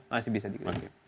masih bisa juga